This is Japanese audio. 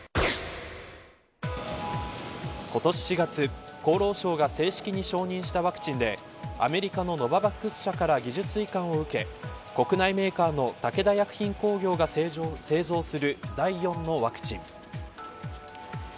今年４月厚労省が正式に承認したワクチンでアメリカのノババックス社から技術移管を受け国内メーカーの武田薬品工業が製造する第４のワクチン。